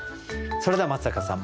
それでは松坂さん